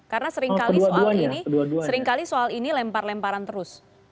karena seringkali soal ini lempar lemparan terus